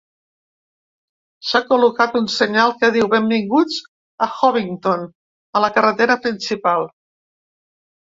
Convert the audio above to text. S'ha col·locat un senyal que diu "Benvinguts a Hobbiton" a la carretera principal.